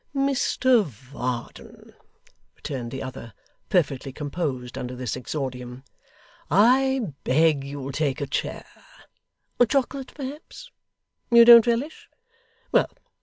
'Mr Varden,' returned the other, perfectly composed under this exordium; 'I beg you'll take a chair. Chocolate, perhaps, you don't relish? Well!